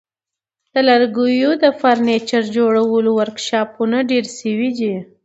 د لرګیو د فرنیچر جوړولو ورکشاپونه ډیر شوي دي.